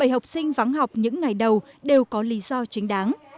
bảy học sinh vắng học những ngày đầu đều có lý do chính đáng